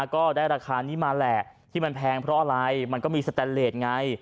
ก็ได้ราคานี้มาแหละที่มันแพงเพราะอะไรมันก็มีสแตนเลสไง